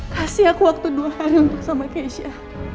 kasih aku waktu dua kali untuk sama keisha